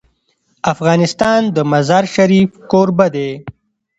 افغانستان د مزارشریف کوربه دی.